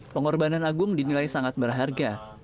pengorbanan agung dinilai sangat berharga